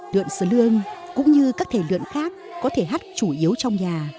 lượn sơ lương cũng như các thể lượn khác có thể hát chủ yếu trong nhà